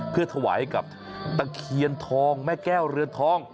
เพื่อถวายให้กับตะเคียนทองแม่แก้วเรือนทอง